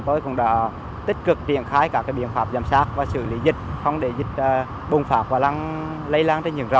trong đó đặc biệt là